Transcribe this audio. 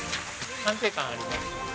安定感あります。